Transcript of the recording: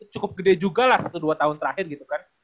cukup gede juga lah satu dua tahun terakhir gitu kan